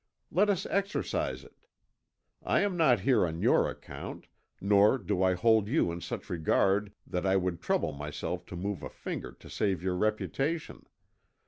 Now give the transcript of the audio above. Let us exercise it. I am not here on your account, nor do I hold you in such regard that I would trouble myself to move a finger to save your reputation.